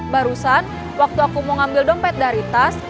barusan waktu aku mau ngambil dompet dari tas